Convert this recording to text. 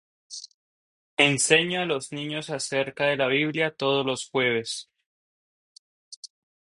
Enseño a los niños acerca de la Biblia todos los jueves.